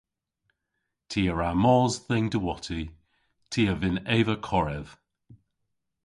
Ty a wra mos dhe'n diwotti. Ty a vynn eva korev.